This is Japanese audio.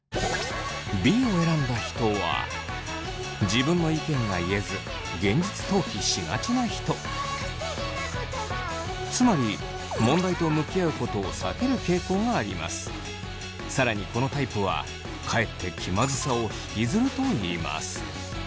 Ｂを選んだ人はつまり更にこのタイプはかえって気まずさを引きずるといいます。